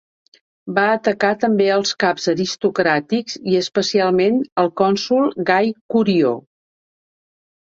Va atacar també als caps aristocràtics i especialment al cònsol Gai Curió.